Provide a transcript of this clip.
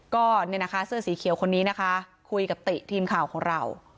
ก็เนี่ยนะคะเสื้อสีเขียวคนนี้นะคะคุยกับติทีมข่าวของเรา